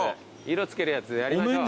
色付けるやつやりましょう。